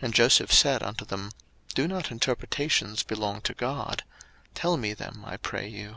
And Joseph said unto them, Do not interpretations belong to God? tell me them, I pray you.